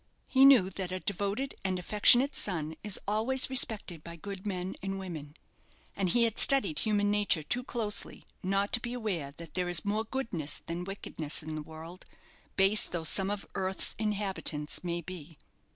He knew that a devoted and affectionate son is always respected by good men and women; and he had studied human nature too closely not to be aware that there is more goodness than wickedness in the world, base though some of earth's inhabitants may be.